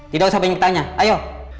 tidak usah banyak tanya ayo